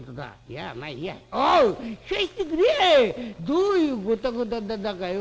どういうゴタゴタだったかよ。